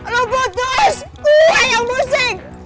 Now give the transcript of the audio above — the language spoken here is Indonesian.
lu putus gua yang pusing